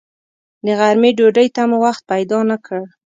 د غرمې ډوډۍ ته مو وخت پیدا نه کړ.